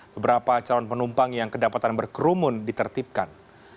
beberapa calon penumpang yang kedapatan berkerumun ditertibkan